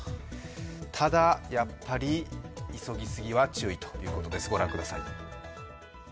ただ、やっぱり急ぎすぎは注意ということです。